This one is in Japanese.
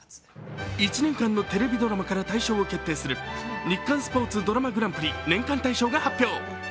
１年間のテレビドラマから大賞を決定する日刊スポーツドラマグランプリ年間大賞が発表。